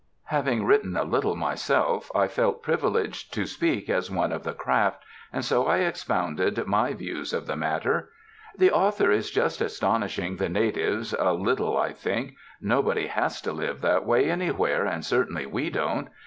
Having written a little myself, I felt privileged to speak as one of the craft, and so I expounded my views of the matter. "The author is just astonishing the natives a lit tle, I think; nobody has to live that way anywhere, and certainly we don't.